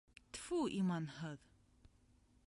Тфү, иманһыҙ!